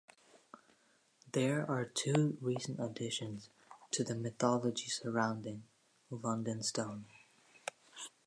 There are two recent additions to the mythology surrounding London Stone.